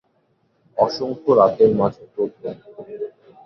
অসংখ্য রাতের মাঝে প্রথম।